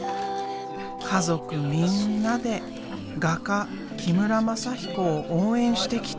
家族みんなで画家木村全彦を応援してきた。